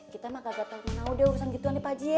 kita mah kagak tau kau deh urusan gituan ya pak haji ya